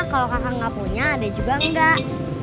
kalau kakak gak punya ada juga enggak